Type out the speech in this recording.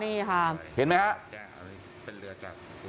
นี่ค่ะเห็นไหมครับ